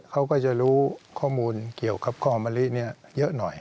เขาก็จะรู้ข้อมูลเกี่ยวกับข้อมะลิเยอะหน่อย